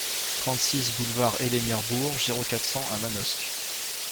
trente-six boulevard Elémir Bourges, zéro quatre, cent à Manosque